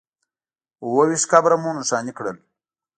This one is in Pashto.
اووه ویشت قبره مو نښانې کړل.